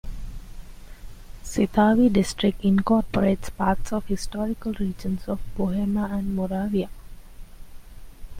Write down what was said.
Svitavy District incorporates parts of historical regions of Bohemia and Moravia.